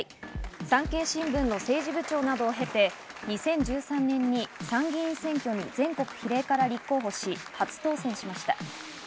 産経新聞の政治部長などを経て、２０１３年に参議院選挙に全国比例から立候補し、初当選しました。